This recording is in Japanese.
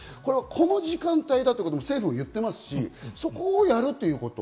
この時間帯だと政府も言ってますし、そこをやるということ。